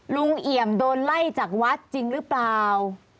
เอี่ยมโดนไล่จากวัดจริงหรือเปล่า